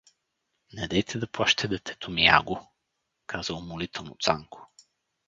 — Недейте да плашите детето ми, аго — каза умолително Цанко.